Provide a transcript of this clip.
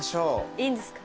いいんですか？